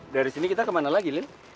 dari sini kita kemana lagi lin